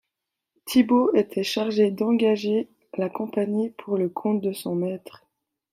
Thibaud était chargé d'engager la compagnie pour le compte de son maitre.